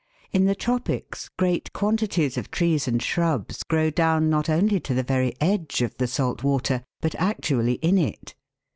In the tropics great quantities of trees and shrubs grow down not only to the very edge of the salt water, but actually in it.